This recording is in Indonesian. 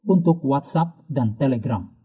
untuk whatsapp dan telegram